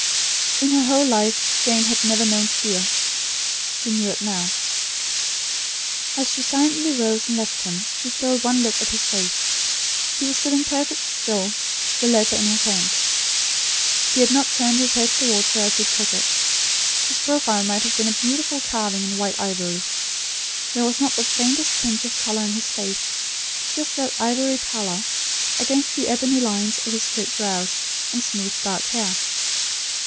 In her whole life, Jane had never known fear. She knew it now. As she silently rose and left him, she stole one look at his face. He was sitting perfectly still; the letter in his hand. He had not turned his head toward her as he took it. His profile might have been a beautiful carving in white ivory. There was not the faintest tinge of colour in his face; just that ivory pallor, against the ebony lines of his straight brows, and smooth dark hair.